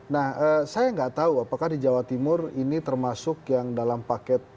nah saya nggak tahu apakah di jawa timur ini termasuk yang dalam paket